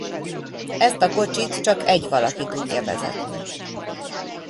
Ezt a kocsit csak egy valaki tudja vezetni.